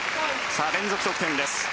連続得点です。